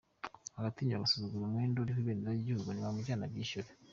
agatinyuka agasuzugura umwenda uriho ibendera ry’igihugu….nibamujyane abyishyure.”